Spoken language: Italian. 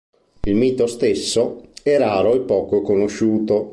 Il mito stesso è raro e poco conosciuto.